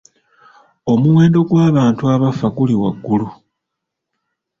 Omuwendo gw'abantu abafa guli waggulu.